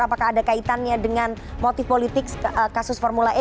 apakah ada kaitannya dengan motif politik kasus formula e